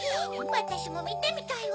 わたしもみてみたいわ。